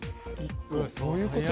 どういうこと？